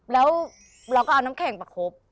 แล้วเราก็เอาน้ำแข็งประคบ